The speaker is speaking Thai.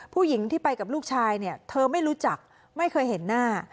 ผู้หญิงที่ไปกับลูกชายเนี่ยเธอไม่รู้จักไม่เคยเห็นหน้า